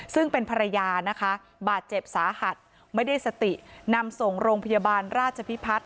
ซึ่งเป็นภรรยานะคะบาดเจ็บสาหัสไม่ได้สตินำส่งโรงพยาบาลราชพิพัฒน์